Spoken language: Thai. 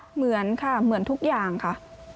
เหมือนค่ะเหมือนทุกอย่างค่ะ